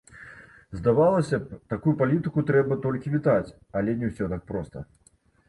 Здавалася б, такую палітыку трэба толькі вітаць, але не ўсё так проста.